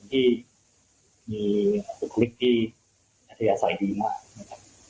เป็นคนที่มีทุกฤตที่นัทยาศัยดีมากนะครับ